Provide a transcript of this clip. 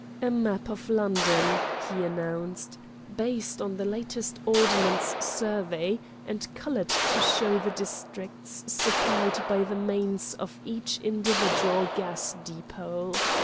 "A map of London," he announced, "based on the latest Ordnance Survey and coloured to show the districts supplied by the mains of each individual gas depot.